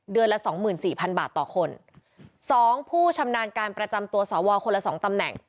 ละสองหมื่นสี่พันบาทต่อคนสองผู้ชำนาญการประจำตัวสวคนละสองตำแหน่ง